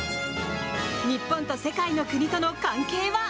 日本と世界の国との関係は？